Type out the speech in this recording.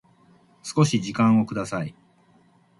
少し時間をください